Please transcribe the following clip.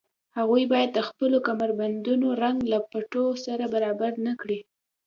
هغوی باید د خپلو کمربندونو رنګ له بټوو سره برابر نه کړي